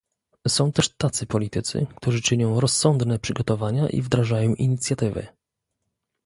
Są też tacy politycy, którzy czynią rozsądne przygotowania i wdrażają inicjatywy